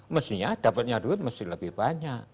mestinya dapatnya duit mesti lebih banyak